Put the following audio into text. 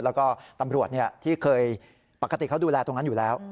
แล้วก็ตำรวจที่เคยปกติเขาดูแลตรงนั้นอยู่แล้ว